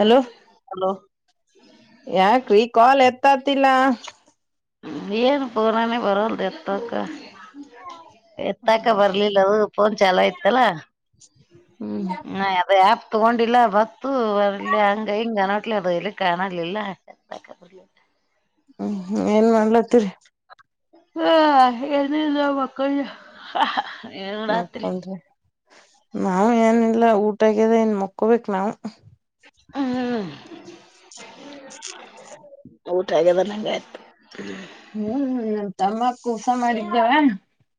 Hello hello ಯಾಕ್ರೀ call ಎತ್ತತಿಲ್ಲ ಬಿನು ಪೂರಾನ ಬರಲ ದವತ ಎತ್ತಾಕ ಬರ್ಲಿಲ್ಲ ಅದು ಫೋನ್ ಚಲ ಆಯ್ತಲ್ಲ ಹ್ಮ್ ಹ ಅದ ಆಪ್ ತಗೊಂಡಿಲ್ಲ ಬತ್ತು ಅರ್ಲ್ಲಿ ಹಂಗ ಹಿಂಗ ನನಟ್ಲಿ ಅದು ಎಲ್ಲಿ ಕಾಣರ್ಲಿಲ್ಲ ಹ್ಮ್ ಏನ್ ಮಾಡ್ಲತ್ತೀರಿ ಹಾ ಎ ಮಕ್ಕ ರಾತ್ರಿ ಮಕೊಂಡ್ರಿ ನಾವ್ ಏನಿಲ್ಲ ಊಟಗ್ಯದ ಏನ್ ಮಕ್ಕೋಬೇಕಕ್ ನಾವ್ ಹಾ ಊಟ ಆ್ಯದ ಹಂಗ ಆಯ್ತ ಹ್ಮ್ ನ ತಮ್ಮಕ್ ಕಊಸ ಮಾಡಿದ್ದವ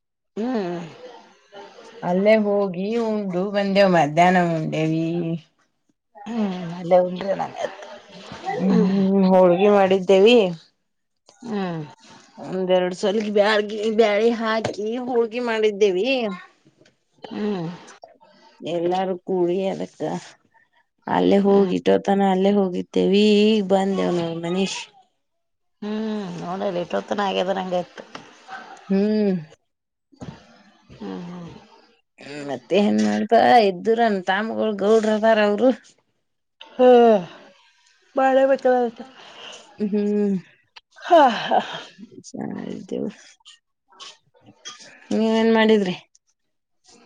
ಹ್ಮ್ ಅಲ್ಲೇ ಹೋಗಿ ಉಂಡು ಬಂದೇವ ಮಧ್ಯಾಹ್ನ ಉಂಡೇವಿ ಹ ಹೌ ಕ ಹ್ಮ್ ಹೋಳ್ಗಿ ಮಾಡಿದ್ದೇವಿ ಹ್ಮ್ ಒಂದ್ರಡ್ ಸಲ ಬ್ಯಾಳ್ಗಿ ಬ್ಯಾಳೆ ಹಾಕಿ ಹುಳ್ಗಿ ಮಾಡಿದ್ದೇವಿ ಹ್ಮ್ ಎಲ್ಲಾರು ಕೂಳ ಅದಕ್ಕ ಅಲ್ಲೇ ಹ್ಮ್ ಹೋಗಿಟ್ಟೋತನ ಅಲ್ಲೇ ಹೋಗಿದ್ದೇವಿ ಈಗ್ ಬಂದೆವ್ ನ ಮನೀಶ್ ಹ್ಮ್ ನೋಡಲ್ಲ ಇಷ್ಟವತನ ಆಗ್ಯದ ಹಂಗ ಆ್ತ ಹ್ಮ್ ಹ್ಮ್ ಹ್ಮ್ ಮತ್ತೆ ಏನ್ ಮಾಡ್ತ ಎ್ದರನ್ ತಾಮಗ ಗೌಡ್ರವಾರ ಅವರು ಹ್ಮ ಬಳೆ ಬಟ್ಟ ಹ್ಮ್ ಹಾ ಹಾ ಸಾರವ ನೀವೇನ್ ಮಾಡಿದ್ರಿ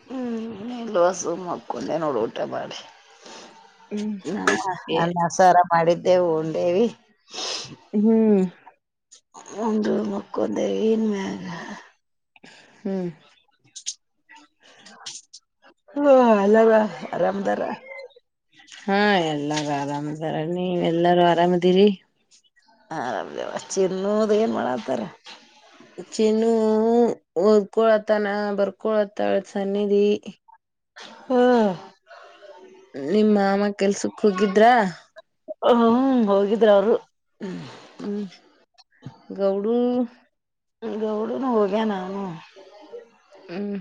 ಹ್ಮ್ ಎಲ್ಸು ಮಕ್ಕುಂದೇ ನೋಡ್ ಊಟ ಮಾಡಿ ನಾವು ನನ್ನಸಾರ ಮಾಡಿದ್ದೆವು ಹಓಂಡೇವಿ ಹ್ಮ್ ಉಂಡು ಮಕ್ಕೊಂಡೆ ಎನ್ ಮೇಘ ಹ್ಮ್ ಹ್ಮುಅಲ್ಲಾವ ಹಾ ಎಲ್ಲರು ಅರಾಮು. ನೀ ಎಲ್ಲಾರು ಆರಾಮದಿರಿ. ಆರಾಮ [unintelligible] ಏನ್ ಮಾಡಾತಾರೆ ಹು ಹೋದ್ಕೊಳತ್ತನ ಬರ್ಕೊಳತ ಸನ್ನದಿ. ಹ್ಮ ನಿಮ್ ಮಾಮ ಕೆಲ್ಸಕ್ ಹೋಗಿದ್ರ. ಹು ಹೋಗಿದ್ರು ಅವ್ರು ಹ್ಮ ಹ್ಮ್ ಗೌಡೂ ಗೌಡುನು ಹೋಗ್ಯ ನಾ ನನು. ಹ್ಮ್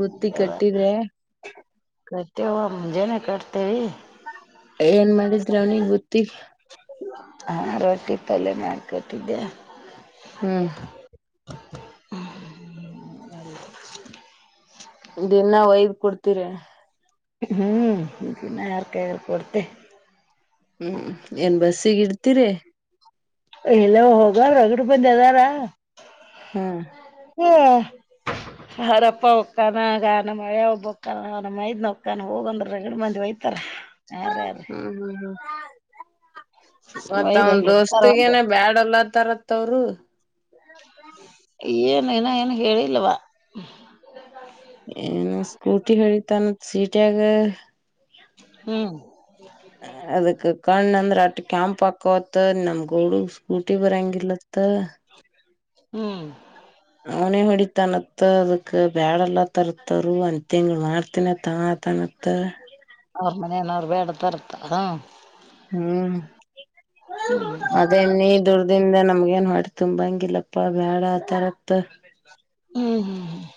ಬತ್ತಿ ಕಟ್ಟಿ ರೆ. ಕಡ್ತಿವಮ್ ಮುಂಜಾನೆ ಕಟ್ತೇವಿ ಏನ್ ಮಾಡಿದ್ರಿ ಅವ್ನಿಗ್ ಬುತ್ತಿ. ಹಾ ರೊಟ್ಟಿ ಪಲ್ಯ ಮಾಡ್ಕೊಟ್ಟಿದ್ದೆ. ಹ್ಮ ದಿನ ಒಯ್ದ್ ಕೊಡ್ತೀರೆ. ಹ್ಮ್ ದಿನ ಯಾರ್ಕಾರ್ ಕೊಡ್ತಿ. ಹ್ಮ್ ಏನ್ ಬಸ್ಸಿಗ್ ಇಡ್ತೀರೆ. ಇಲ್ಲ ಹೋಗರ್ [unintelligible] ಬಂದಿ ಅದಾರ. ಹ್ಮ್ ಹ್ಮ ಹಾರಪ್ಪ ಹೊಕ್ಕಾನ ಆಗ ನ ಮಳೆ ಒಬ್ಬಕ್ಕಾನ ನ ಮೈದ್ನಕ್ಕಾನ ಹೋಗಂದ್ರೆ ರಾಗಡ್ ಮಂದಿ ಇತರ ಹ ರ ರೆ ಮತ್ತ ಅವನ್ ಒಯ್ದಲ್ಲಿ ಇಡ್ತಾರ ಒಂದು ದೋಸ್ತಗಿನೆ ಬ್ಯಾಡ ಅನ್ನತರತ್ ಅವ್ರು. ಏನ್ ಎನ ಏನು ಹೇಳಿಲ್ಲವ. ಏನೂ ಸ್ಕೂಟಿ ಹೇಳಿತಾನ ಸೀಟ್ಯಗ. ಹ್ಮ್ ಅದಕ್ಕ ಕಣ್ಣ ಅಂದ್ರ ಅಟ್ ಕ್ಯಾಂಪ್ ಹಾಕೊವತ್ತ ನಮ್ ಗೌಡು ಸ್ಕೂಟಿ ಬರಂಗಿಲತ್ತ. ಹ್ಮ್ ಅವನೆ ಹೊಡಿ ತನತ್ ಅದಕ್ ಬ್ಯಾಡಲ್ಲ ತರ್ತರು ಅಂತ ತಿಂಗಳು ಮಾಡ್ತನತ್ತತ - ತ್ತ ಅವ್ರ ಮನೆನ [unintelligible] ಹ್ಮ್ ಹ್ಮ್ ಅದೇ ನೀ ದುರ್ದಿಂದನ. ನಮ್ಗೇನ್ ಹೊಟ್ ತುಂಬಂಗಿಲ್ಲಪ್ಪ ಬ್ಯಾಡ ಆ ತರತ್ತು. ಹ್ಮ್ ಹ್ಮ್ ಹ್ಮ್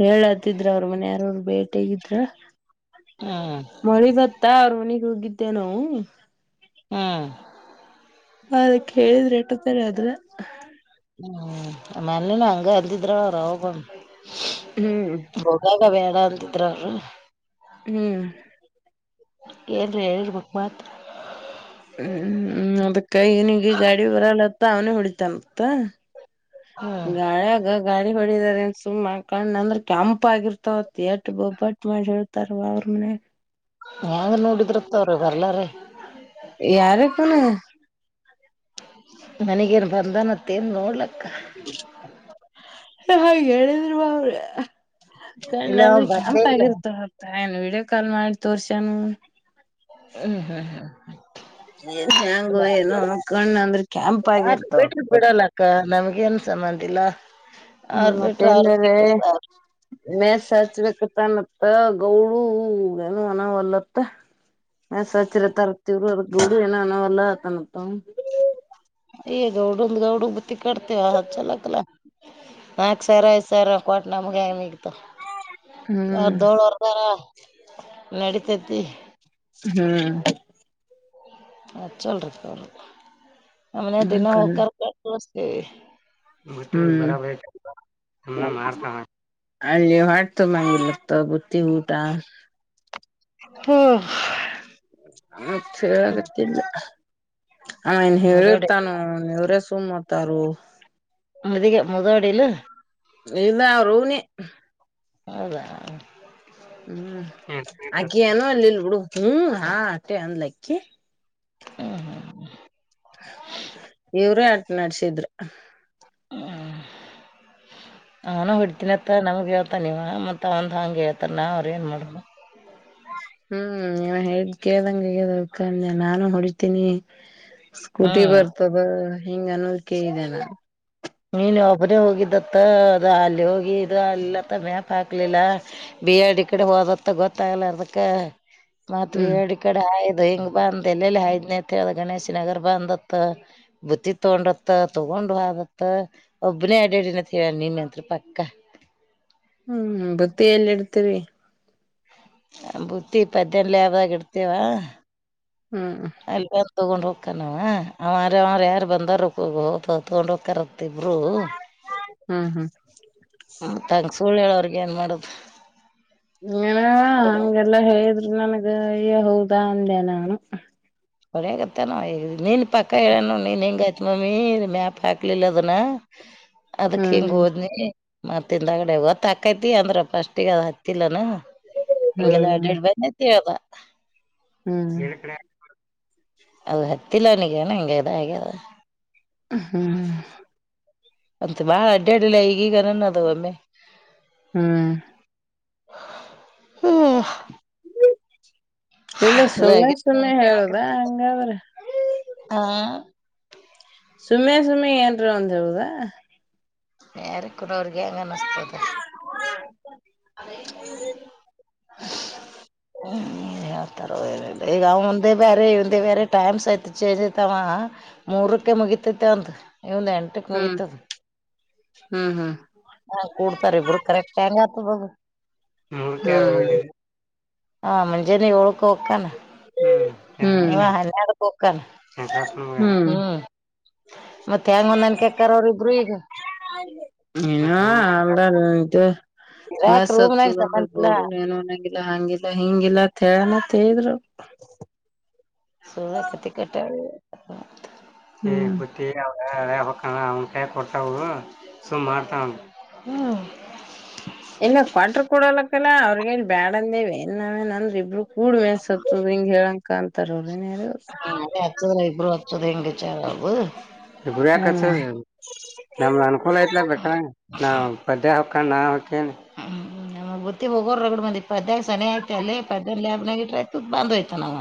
ಹೇಳತ್ತಿದ್ರ ಅವ್ರ ಮನ್ ಯಾರೋರು ಬೇಟಿ ಆಗಿದ್ರ. ಹ್ಮ್ ಮಳಿ ಬತ್ತಾ ಅವ್ರ ಮನಿಗ್ ಹೋಗಿದ್ದೇ ನಾವು. ಹ್ಮ್ ಅಕ್ ಕೇಳಿದ್ರೆ ಎಟ್ಟತರಿ ಆದ್ರೆ. ಹ್ಮ್ ಆಮೇಲಿನ ಹಂಗ ಅಲ್ದಿದ್ರ ಅವ ರಾವ್. ಹ್ಮ್ ಹೋಗಾಗ ಬೇಡ ಅಂತಿದ್ರ ಅವ್ರು. ಹ್ಮ್ ಏಲ್ರಿ ಹೇಳ್ರರಿ [unintelligible] ಹ್ಮ್ ಹ್ಮ್ ಅದಕ್ಕ ಇನಿಗೆ ಗಾಡಿ ಬರಲ್ಲತ್ತ ಅವನೇ ಹೊಡಿತನತ್ತ ಹ್ಮ್ ಗಾಯಗ ಗಾಳಿ. ಹೊಡಿದಾರ ಸುಮ್ಮ ಕಣ್ಣ ಅಂದ್ರೆ ಕೆಂಪ ಆಗಿರ್ತವ ಎಟ್ ಬೊಬ್ಬಟ್ ಮಾಡಿ ಹೇಳ್ತಾರವ ಅವ್ರ ಮನೆ. ಹೆಂಗ ನೋಡಿದ್ರತ್ ಅವ್ರ ಬರ್ಲಾ ರಿ ಯಾರಕ್ಕನ ಮನಗೇನ್ ಬಂದನತ್ತೇನ್ ನೋಡ್ಲಕ್ಕ. ಹಾಗ ಹೇಳಿದ್ರ ನಾ ಅವ್ರ ಕಣ್ಣ ಇಲ್ಲ ಅವ ಅಂದ್ರೆ ಬಂದೇ ಕೆಂಪ್ ಇಲ್ಲ ಆಗಿರ್ತ ಆತ್ತ ಏನ್ ವೀಡಿಯೋ ಕಾಲ್ ಮಾಡಿ ತೋರ್ಸಾನ ಹ್ಮ್ ಹ್ಮ್ ಹ್ಮ್ ಹ ಏನ್ ಹೆಂಗು ಏನು ಕಣ್ಣ ಅಂದ್ರೆ ಕೆಂಪ್ ಆಗಿರ್ತಾವ ನಮಗ ಏನ್ ಸಮಂಬಂಧಿಲ್ಲ ಹ ಮತ್ತೇಲ್ಲಾರೆ ಮೇ ಹಚ್ಬೇಕತ್ತ ಮತ್ತ ಗೌಡು ಏನು ಅನವಲ್ಲತ್ತ ಚರೆ ತರತಿ ಇವ್ರು ಅ ದುಂಡು ಏನು ಅನವಲ್ಲತ್ತನ ಅತ್ತಾನ ಅವನು ಗೌಡಂದ ಗೌಡ ಬುತ್ತಿ ಕಟ್ಟತಿವಿ ಹಚಲಕ್ಲ ನಾಕ ಸಾವಿರ ಐದ ಸಾವಿರ ಕೊಟ್ಟ ನಮ್ಗೆ ಹೆ ಹ್ಮ್ ಅರ್ಧೋಳವರ್ಗಾರ ನಡಿತೈತಿ ಹ್ಮ್ ಅ ಹಚಲ್ರಿ ನಮನ ದಿನ ಕಣ ಹೋಗಕಾರ [unintelligible] ಮತ್ತೆ ಹ್ಮ್ ಬರಬರ ಅ ಮಾಡತಾನ ಅಲ್ಲಿ ಹೊಟ್ಟಿ ತುಂಬಂಗಿಲ್ಲತ ಬಟ್ಟಿ ಊಟಾ ಹ್ಮ್ ಆ ಚ ಆಗತ್ತಿಲ್ಲ ಅವಾ ಎನ ಹೆಳಿರಿ ಮುದೋಡಿ ತನೋ ಇವ್ರೇ ಸುಮ್ ಅತ್ತಾರೋ ಮದಗ ಮುದೋಡಿ ಇಲ್ಲ ಇಲ್ಲಾ ಅವರ ಆವ ನೇ ಹೌದಾ ಹ್ಮ್ ಹ್ಮ್ ಆಕಿ ಎನು ಅನ್ಲಿಲ್ಲ ಬಿಡು ಹ್ಮ ಹಾ ಅಂದ್ಲ ಆಕಿ ಹ್ಮ ಹ್ಮ ಇವ್ರೇ ಅಟ ನಡ್ಸಿದ್ರ ನಾನ ಹೊಡ್ತೀನತ್ತ ನಮ್ಗೆ ಹೇಳ್ತ ಇವಾ ಮತ್ತತ್ ಅವಂದ್ ಹಂಗಗೆ ಹೇಳ್ತಾರ ನಾವ್ರೇ ಏನ್ ಮಾಡೋದು ಹ್ಮ್ ಇವಾ ಹೇಳಿದ್ ಕೇಳ್ದಂಗ ಆಗೇದ ಅದಕ್ಕೆ ಅಂದೆ ನಾನು ಹೊಡಿತೀನಿ ಸ್ಕೂಟಿ ಹ್ಮ್ ಬರ್ತದ ಹಿಂಗ ಅನುದೈವಿಕೆ ಇದೆ ನ ನಿನ್ ಒಬ್ಬನೇ ಹೋಗಿದ್ದತ್ತ ಅದು ಅಲ್ಲಿ ಹೋಗಿ ಇದು ಆಗಲ್ಲಿತ್ತ ಮ್ಯಾಪ್ ಹಾಕ್ಲಿಲ್ಲ ಬಿ ಎಲ್ ಡಿ ಕಡೆ ಹೋದತ್ತ ಗೊತ್ತಾಗಲೋರದಕ್ ಅದಕ್ಕ ಮತ್ತ್ ಬಿ ಹ್ಮ್ ಎಡಿ ಕಡೆ ಹಾಯದ ಹಿಂಗ ಬಂದ ಎಲ್ಲೆಲ್ಲಿ ಹಾಯದ್ನೇ ಅಂತ ಹೇಳಿದ ಗಣೇಶ ನಗರ್ ಬಂದತ್ ಬುತ್ತಿ ತಗೊಂಡತ್ತ ತಗೊಂಡ ತಕೊಂಡ್ ಹೊದತ್ ಒಬ್ಬನೇ ಅಡಾಡಿಯನ ಅಂತ ಹೇಳಾನ್ ನಿನ್ನೆ ಪಕ್ಕಾ ಹ್ಮ್ ಬುತ್ತಿ ಎಲ್ಲಿ ಇಡ್ತರಿ ಬತ್ತಿ ಪದ್ಯಾನ ಲ್ಯಾಬ್ ದಾಗ ಇಡ್ತೇವ ಹ್ಮ್ ತೊಗೊಂಡ ಹೋಕ್ಕ್ರಾ ಅವಾ ಅವಾರ ಅವ ಯಾರ ಬಂದಾರ ಹ ತೊಗೊಂಡ್ ಹೋಗಕ್ಕಾರ ತ ಇಬ್ಬರು ಹ್ಮ್ ಹ್ಮ್ ಮತ್ ಹಂಗ ಸುಳ್ ಹೇಳಾಅವ್ರಿಗೆ ಏನ್ ಮಾಡುದು ನ ಹಗೆಲ್ಲಾ ಹೇಳಿದ್ರರು ನನಗ ಅಯ್ಯಾ ಹೌದಾ ಅಂದೆ ನಾನು ಅವ ಹ್ಯಾಂಗ್ಗತ್ತ ನ ನೀನ್ ಪಕ್ಕಾ ಹೇಳನು ನೀನೆ ಹಿಂಗ ಆಯ್ತ್ ಮಮ್ಮಿ ಮ್ಯಾಪ್ ಹಾಕ್ಲಿಲ್ಲ ಅದನ ಹ್ಮ ಅದಕ ಹಿಂಗ ಹ್ಮ್ ಹೋದ್ನಿ ಮತ್ತ ಹಿಂದಾಗಡೆ ಗೋತ್ತ ಆಕೈತಿ ಅಂದ್ರ ಫಸ್ಟಗಿ ಅದ ಹತ್ತಿಲ್ಲನ ಹಿಂಗೆಲ್ಲ ಹ್ಮ್ ಅಡ್ಯಾಡ ಬಂದನ್ ಅಂತ್ ಹೇಳದಾ ಹ್ಮ್ ಅದು ಹತ್ತಿಲ್ಲ ಅವನಿಗೆನ ಹಂಗೆ ಆ್ಯಗೇದ ಹ್ಮ ಅಂತ ಬಾಳ ಅಡ್ಡಾಡ್ಡಿಲ್ಲ ಈಗೀಗ ಅನ್ನಾನ ಅದ ಒಮ್ಮೆ ಹ್ಮ್ ಹ ಇಲ್ಲ ಸುಮ್ಮೆ ಇದಾಗ್ಯದ ಸುಮ್ಮೆ ಹೇಳುದ ಹಂಗಾದ್ರೆ ಹಾ ಸುಮ್ಮೆ ಸುಮ್ಮೆ ಏನ್ರೆ ಒಂದ ಹೇಳುದಾ ಯಾರಿಗಿ ಕೂನ್ ಅವ್ರಿಗೆ ಹೆಂಗ ಅನಸ್ತದ ಹ್ಮ [inaudible] ಹ್ಮ್ [unintelligible] ನೀನ್ ಹೇಳ್ತಾರೇ ಈಗ ಅವರದೇ ಬೇರೆ, ಇವರದೇ ಬೇರೆ ಟೈಮ್ಸ್ ಐತಿ ಚೇಂಜ್ಇರತಾವ ಮೂರಕ್ಕೆ ಮುಗತೈತೆಂದು. ಇವಂದು ಎಂಟಕ ಹ್ಮ್ ಮುಗಿತಾದ. ಹ್ಮ್, ಹ್ಮ್ ಹ್ಮ್ ಹಜೆ ನೀ ಳಖು ೋಗಕ್ಕಾನ ಹ್ಮ್ [unintelligible] ಹ್ಮ್ ಹ್ಮ [unintelligible] [inaudible] ಮತ್ತೆ ಹೆಂಗ ಒಂದ್ನ್ಕಿಕ್ಕಾರ ಅವ್ರ ಇಬ್ರು ಈಗ. ಇನ್ನು ಮತ್ ರೂಮ್ನ್ಯಾಗ ಅಂತ ಇದು [unintelligible] ಇರಾಕ್ ಮೆಸ್ ರೂಮ್ನಾಗ ಸತ್ುದ ಅಂದ್ರೆ ಸಂಬಂಧ ಇಲ್ಲ ಬೋಡು ಏನುನ್ನಂಗಿಲ್ಲ ಹಂಗಿಲ್ಲ [unintelligible] ಇ ಹಿಂಗ ಇಲ್ಲತ್ತ ಹೇಳಿದ್ರವರು. ಸತಿ ಕಟ [unintelligible] ಹ್ಮ್ ರೇ ಹಕ್ಕಣ ಅವನಕೈಯಾಗ ಕೊಟ್ಟಾವವು ಸುಮ್ಮ್ ಮಾಡ್ತ ಅಲ್ಲಾ ಅವ್ರಗ ಹೇಳ ಬ್ಯಾಡ ಅಂದೇವ ಏನ್ ನಾವೇ. ಅಂದ್ರ ಇಬ್ರು ಕೂಡ್ ಮೆ [unintelligible] ನ್ಸತ್ತದ ಹಿಂಗ ಹೇಳಂಗಅಂತಾರ ಅವರು. ಹ್ಮ, ಅದೇ ಅಚ್ಚದ ಇಬ್ರು ಅಚ್ಚದ ಹೆಂಗಚಾರಬ ದುಡ್ಯಾಕ ಹ್ಮ್ ಅಚ್ಚರಿ ನಮಗ ಅನುಕೂಲ ಆಯಿತಲ ಬೆಕಾದಂಗ. ನಾ ಬಡೆ ಹಾಕೊಂಡ್ ನಾ ಹಾಕೇನೆ [unintelligible] ನಮ್ ಗೊತ್ತಿ ಹೋಗೋರು ರಗಡ್ ಬಂದಿ. ಪದ್ಯಾಕ ಸನಿ ಆಯತ ಅಲ್ಲಿ ಪದ್ಯಾನ ಲ್ಯಬ್ನಾಗ ಇಟ್ಟ ಆಯ್ತು ಬಂದೊಯ್ತ ನಾವ್.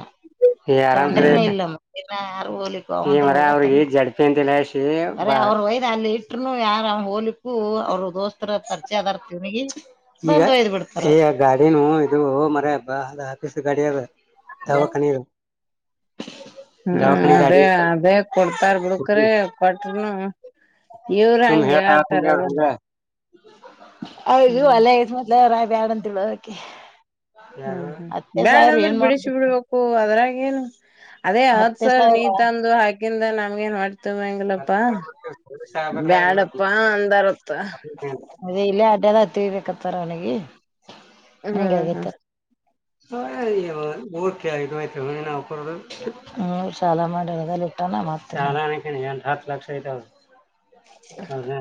ಆರಾಮ ಹ್ಮ್ [unintelligible] ಯ ಹ ಮರ ಅವ್ರಿಗೆ ಈ ಜಡ್ಪಿ ಅಂತಲ್ಲಿ ಅವ್ರಯ ಅಲ್ಲಿ ಇಟ್ಟರು ಯಾರ [unintelligible] [inaudible] ಹೋಗಲಿಕು ಅವ್ರ ದೋಸ್ತರ ಪರಿಚೆಯ ಅದಾರ ತಿರುಗಿ ಬಿಡ್ತ ಗ [unintelligible] ಇದು ಹ ಮರ [unintelligible] ಹಬ್ಬಾ ಅ ಆಫೀಸ್ ಗಾಡ ಅದ ದಾವಖಾನಿ ಹ್ಮ್, ಅದೇ- ಅದೇ ಕೊಡ್ತಾರ್ ಬಿಡುಕರೆ ಕೊಟ್ರನು- ಇವ್ರ ಹಂಗಹೇಳಾತಾರ. ಅ ಅಲ್ಲ ಐ ಮತ್ಲ ರಾಬ ಆಡಂತ ಅದಕೆ [unintelligible] ಹ್ಮ್, ಹ್ಮ್ ಬ್ಯಾಡಅಂದ್ರಬಿಡಿಸಿ ಮಾಡ್ಬೇಕ ಬಿಡ್ಬೇಕು ಅದ್ರಾಗಏನು- ಅದೇ ಹೌದ ಹತ್ತೇ ಸರ್ ನೀ ಸಾವಿರ ತಂದು ಹಾಕಿಂದ ನಮ್ಗೆ ನ್ ಮಾಡ್ತೇವ., ಶಪ ಬ್ಯಾಡಪ್ಪಾ ಅಂದಾರತ್ತ ಅ [inaudible] ಎದ ತಿರ್ಬೇಕ [unintelligible] ತ್ತಾರ ಅವನಿಗೆ ಹ್ಮ್ ಹಂಗೆ ಹ್ಮ್ ಹಾಗೆತ್ತು. [unintelligible] ಸಾಲ ಮಾಡಿ ಇಟ್ಟ ಏನ್ ಎಂಟ, ಹತ್ ಲಕ್ಷ ಆಯತ್ರ ಹ ಲ [unintelligible] ಹ್ಮ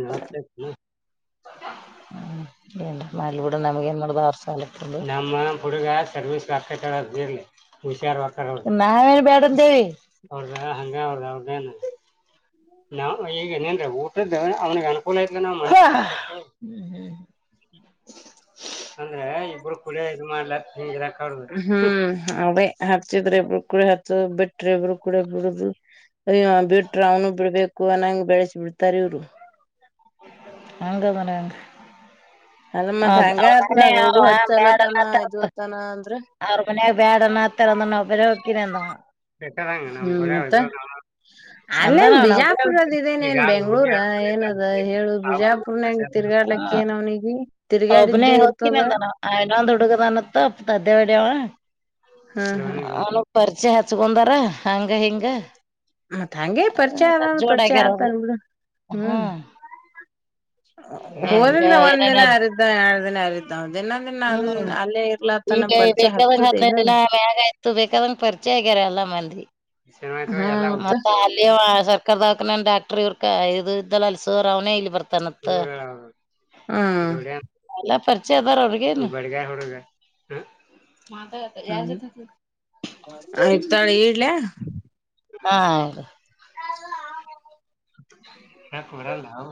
ಎನರ ಮಾಡ್ಲಿಬಿಡು ನಮಗೆ ತ [unintelligible] ನಮ್ಮ ಹುಡುಗ ಸರ್ವಿಸ್ ಅಕ್ಕ [unintelligible] ಇರ್ಲಿ ಹುಷಾರ ಹ ನಾವೇಲ್ ಬ್ಯಾಡಂದಿವಿ ಅವರದ ಹಂಗಅವ್ರದೇನ್. ನಾ ಈಗನೇನ್್ರ ಊಟ [unintelligible] ಆ ಊಟಕ ಅನುಕೂಲ ಅಂದ್ರೆ ಇಬ್ರು ಕುಡಿಯ ಇದು ಮಾಡ್ಲ [unintelligible] ಹಿಂಗ ರಕಡ್ದ ಚಿದ್ರ ಇಬ್ಬರು ಕೂಡ ಹತ್ತ ಬಿಟ್ರೆ, ಇಬ್ಬರು ಕೂಡ ಬಿಡುದು ಅಯ್ಯ ಬಿಟ್ರ ಅವನು ಬಿಡ್ಬೇಕು ಅ ಹಂಗ್ ಬೆಳೆಸಿ ಬಿಟ್ಟಾರಇವ್ರು. ಹಂಗ ಅಂದ್ರ ಹೆಂಗ. ಅಲ್ಲ ಮತ್ ಹಂಗ ಆತ್ಲ ಗೌಡು ಮ ಬ್ಯಾಡ ಹಚ್ಚಲತನ ತಪ [unintelligible] ಇದುತಾನ ಅಂದ್ರ ಅವ್ರಮನೆಗಾ ಬ್ಯಾಡನಂತಾರ. ನ ತರಂದ ನವುರ ಕಿ ನ ಕೂ ಹ್ಮ್ ಮತ್ತ [unintelligible] ಅಲ್ಲೇನ್ ಅಂದಾನವ ನಾನು ಬಿಜಾಪುರದ ಇದೇನೇನ್ ಒಂಬವನೆ ಬೆಂಗ್ಳೂರ ಏನದ ಹೇಳು ಬಿಜಾಪುರ್ನಾಗ ಹಾ, ತಿರ್ಗಾಡ್ಲಕ್ಕ ನಾ ಏನ್ ಅವ್ನಿಗೆ ಒಬ್ಬನೆ ತಿರ್ಗಾಡಿದ್ದೇ ಇರ್ತದ ಹೊಕ್ಕಿನಿನಂದಾನ. ಹನ್ ತೊಡಗದನತ್ತದೇ ಬಡ ಹ್ಮ್ ಹ್ಮ್ [unintelligible] ಪರಿಚಯ ಹಚ್ಕೊಂಡಾರ ಹಂಗ ಹಿಂಗ. ಮತ್ ಹಂಗೆ ಪರಿಚಯ ಅದ ಪರಿಚಯ ಜೋಡಾಗರ ಆತನ್ ಬಿಡು ಹ್ಮ್, - ಹೋದಿಂದ ಒಂದ್ ದಿನ ಆಗಿರತದ್ದ ಎರಡದಿನ ಆಗಿರತದ್ದ ದಿನ- ದಿನ ಅಲ್ಲಿ ಅಲ್ಲೇ ಇರ್ಲ ಈ ಬೇಕಾದಂಗ ಹದಿನೈದು ದಿನ ಮ್ಯಗ ಆಯ್ತು ಬೇಕಾದಂಗ ಪರಿಚಯ ಆಗ್ಯಾರ ಅಲ್ಲ ಮಂದಿ ಈ ಶನ್ಮಯ್ತ್ ಹ್ಮ ಮತ್ತ ಎಲ್ಲ ಸರ್ಕಾರದಕ ನನ್ ಡಾಕ್ಟರ್ ಇವ್ರಕ ಇದು ಇದ್ದಲ್ಲ ಅಲ್ಸೋರ್ ಅವನೇ ಇಲ್ ಬರ್ತಾನತ್ ಹ್ಮ್ ಗ ಎಲ್ಲ ಪರಿಚಯ ಅದಾರ ಅವ್ರಗನು ಬಗಾಯ ಹುಡುಗ ಹ್ಮ್ ಆಯತಾಳೆ ಇಡ್ಲ ಹಾೌ ಹೌ ಹಾ ಹ ಕೊರಲ್ಲ ಹ